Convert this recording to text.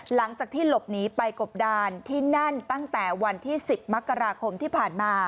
หลังจากที่หลบหนีไปกบดานที่นั่นตั้งแต่วันที่๑๐มกราคมที่ผ่านมา